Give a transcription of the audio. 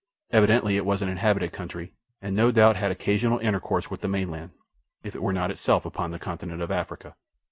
Evidently it was an inhabited country, and no doubt had occasional intercourse with the mainland, if it were not itself upon the continent of Africa.